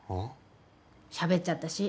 しゃべっちゃったし。